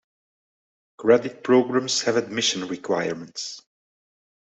Credit programs have admission requirements.